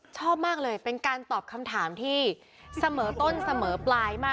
ชอบมากเลยเป็นการตอบคำถามที่เสมอต้นเสมอปลายมาก